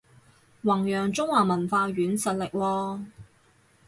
弘揚中華文化軟實力喎